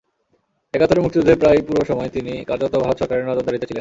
একাত্তরের মুক্তিযুদ্ধের প্রায় পুরো সময় তিনি কার্যত ভারত সরকারের নজরদারিতে ছিলেন।